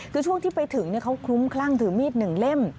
คือช่วงที่ไปถึงเขาคลุ้มคลั่งถือมีดหนึ่งเล่ม